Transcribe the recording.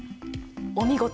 お見事！